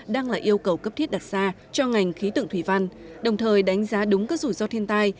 đang là yêu cầu cấp thiết đặt ra cho ngành khí tượng thủy văn đồng thời đánh giá đúng các rủi ro thiên tai